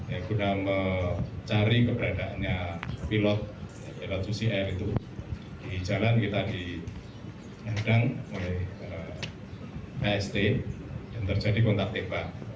yang guna mencari keberadaannya pilot lhcl itu di jalan kita diendang oleh pst dan terjadi kontak tembak